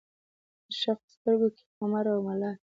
د شفق سترګو کې خمار او ملال